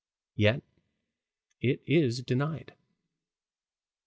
Yet it is denied.